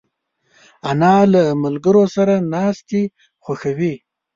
انا له ملګرو سره ناستې خوښوي